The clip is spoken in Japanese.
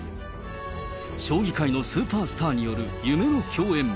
将棋界のスーパースターによる夢の競演。